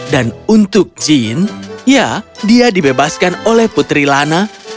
dan untuk jean ya dia dibebaskan oleh putri lana